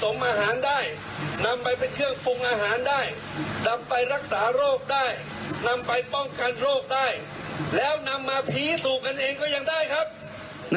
นำไปรักษาโรคได้นำไปป้องกันโรคได้แล้วนำมาผีสู่กันเองก็ยังได้ครับ